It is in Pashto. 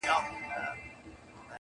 چي يو ځل يوه ماشوم ږغ كړه په زوره !.